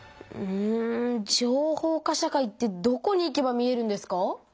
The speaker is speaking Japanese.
うん情報化社会ってどこに行けば見えるんですか？